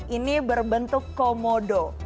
ini berbentuk komodo